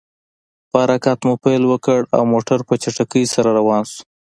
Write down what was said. په حرکت مو پیل وکړ، او موټر په چټکۍ سره روان شو.